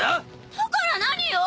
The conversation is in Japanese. だから何よ！